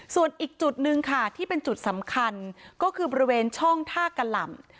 ส่วนอีกจุดหนึ่งค่ะที่เป็นจุดสำคัญก็คือบริเวณช่องท่ากะหล่ำ